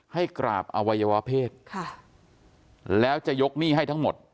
ให้กราบอวัยวะเพศแล้วจะยกหนี้ให้ทั้งหมด